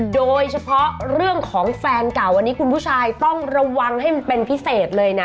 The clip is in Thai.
โดยเฉพาะเรื่องของแฟนเก่าอันนี้คุณผู้ชายต้องระวังให้มันเป็นพิเศษเลยนะ